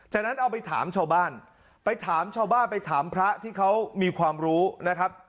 จากนั้นเอาไปถามชาวบ้านไปถามชาวบ้านไปถามพระที่เขามีความรู้นะครับ